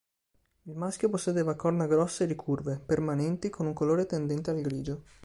Il maschio possedeva corna grosse e ricurve, permanenti, con un colore tendente al grigio.